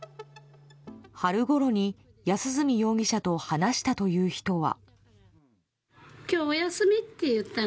春ごろに安栖容疑者と話したという人は。